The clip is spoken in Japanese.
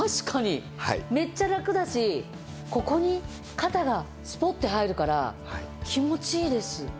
めっちゃ楽だしここに肩がスポッて入るから気持ちいいです。